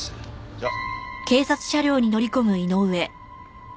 じゃあ。